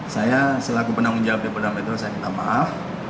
saya selaku penanggung jawab di polda metro saya minta maaf